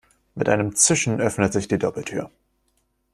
Mit einem Zischen öffnet sich die Doppeltür.